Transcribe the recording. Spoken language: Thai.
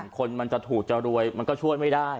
คนมันจะถูกจะรวยมันก็ช่วยไม่ได้